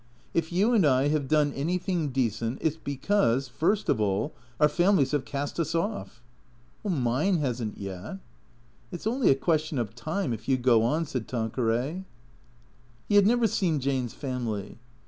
THECREATORS 11 " If you and I have done anytliing decent it 's because, first of all, our families have cast us off." " Mine has n't yet." " It 's only a question of time if you go on," said Tanqueray. He had never seen Jane's family.